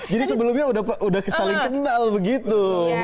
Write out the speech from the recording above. jadi sebelumnya udah kesalin kenal begitu